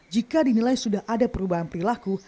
jika dinilai sudah ada perubahan perilaku